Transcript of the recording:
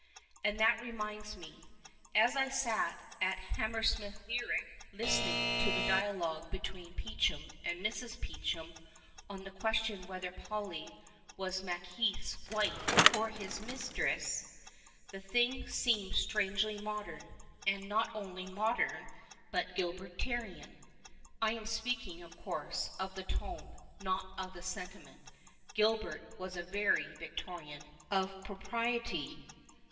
And that reminds me. As I sat at the Hammer smith Lyric listenint^ to the dialogue between Peachum and Mrs, Pcachum on the question whether Polly was Macheath's wife or his mistress, the thing seemed strangely modern, and not only modern, but Gilbertian. (I am speaking, of course, of the tone, not of the sentiment — Gilbert was a very Victorian of propriety.)